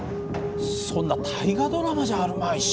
そんな「大河ドラマ」じゃあるまいし。